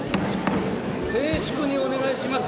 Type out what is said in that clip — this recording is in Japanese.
静粛にお願いします。